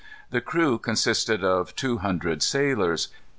The crew consisted of two hundred sailors.